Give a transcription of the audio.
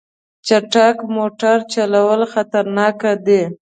چټک موټر چلول خطرناک دي.